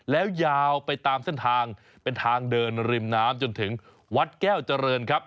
แล้วยาวไปตามเส้นทางเป็นทางเดินริมน้ำจนถึงวัดแก้วเจริญครับ